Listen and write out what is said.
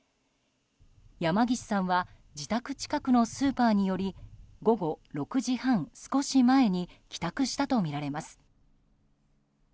山岸さんは自宅近くのスーパーに寄り午後６時半少し前に帰宅したとみられます。